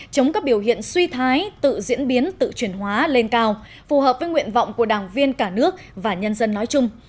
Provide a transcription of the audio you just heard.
chống các biểu hiện suy thái tự diễn biến tự chuyển hóa lên cao phù hợp với nguyện vọng của đảng viên cả nước và nhân dân nói chung